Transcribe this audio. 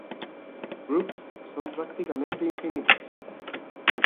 Groups son prácticamente infinitas.